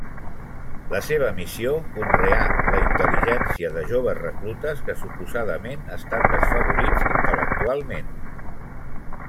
La seva missió: conrear la intel·ligència de joves reclutes que suposadament estan desfavorits intel·lectualment.